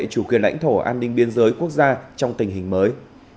chủ quyền lãnh thổ an ninh biên giới quốc gia trong tình hình mới